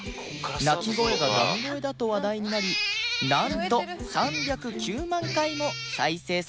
鳴き声がダミ声だと話題になりなんと３０９万回も再生されました